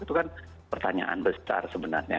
itu kan pertanyaan besar sebenarnya